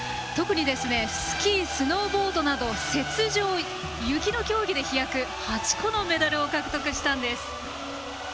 特に、スキー・スノーボードなど雪上、雪の競技で飛躍し８個のメダルを獲得したんです。